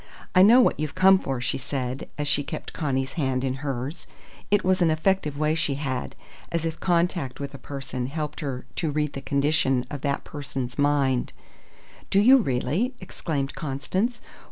"I know what you've come for," she said, as she kept Connie's hand in hers. It was an effective way she had, as if contact with a person helped her to read the condition of that person's mind. "Do you really?" exclaimed Constance.